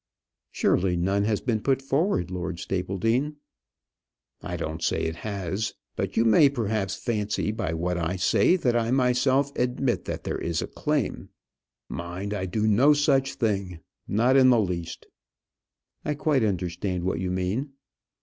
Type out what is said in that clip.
"Surely none has been put forward, Lord Stapledean?" "I don't say it has; but you may perhaps fancy by what I say that I myself admit that there is a claim. Mind; I do no such thing. Not in the least." "I quite understand what you mean."